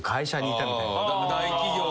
大企業。